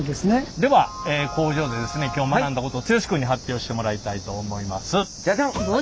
では工場でですね今日学んだことを剛君に発表してもらいたいと思います。